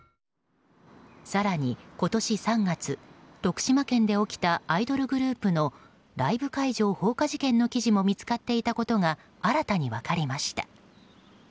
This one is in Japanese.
更に今年３月、徳島県で起きたアイドルグループのライブ会場放火事件の記事も見つかっていたことが新たに分かりました。